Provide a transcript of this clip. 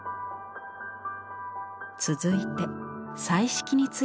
続いて彩色についてです。